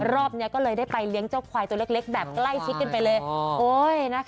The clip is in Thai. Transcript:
เราก็เลยได้ไปเลี้ยงเจ้าควายเล็กแบบใกล้ชิ้นไปเลย